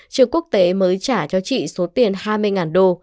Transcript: trường quốc tế mới trả cho chị số tiền hai mươi đô